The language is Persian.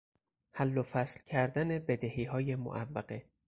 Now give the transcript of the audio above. حل و فصل کردن بدهیهای معوقه